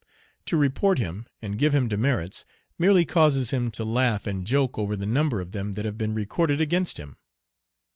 To report him and give him demerits merely causes him to laugh and joke over the number of them that have been recorded against him.